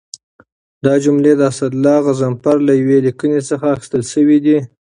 دا جملې د اسدالله غضنفر له یوې لیکنې څخه اخیستل شوي دي.